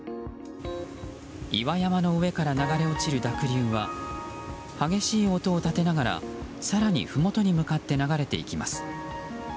岩山の上から流れ落ちる濁流は激しい音を立てながら更にふもとに向かって流れていきます。